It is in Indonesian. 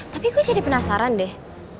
tapi gue jadi penasaran deh